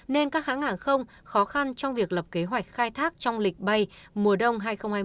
nên các hãng hàng không khó khăn trong việc lập kế hoạch khai thác trong lịch bay mùa đông hai nghìn hai mươi một hai nghìn hai mươi hai